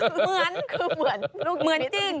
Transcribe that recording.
เหมือนคือเหมือนจริง